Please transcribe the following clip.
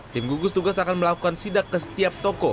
tim gugus tugas akan melakukan sidak ke setiap toko